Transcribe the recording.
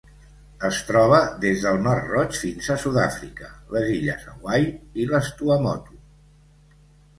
Es troba des del Mar Roig fins a Sud-àfrica, les Illes Hawaii i les Tuamotu.